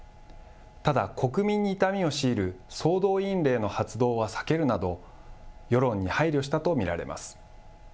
ただ、国民に痛みを強いる総動員令の発動は避けるなど、世論に配慮したと見られます。